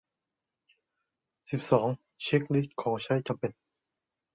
สิบสอง เช็กลิสต์ของใช้จำเป็น